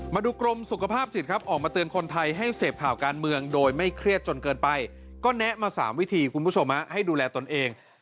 มาดูกรมสุขภาพจิตครับออกมาเตือนคนไทยให้เสพข่าวการเมืองโดยไม่เครียดจนเกินไปก็แนะมา๓วิธีคุณผู้ชมให้ดูแลตนเอง